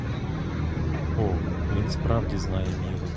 О, він справді знає міру!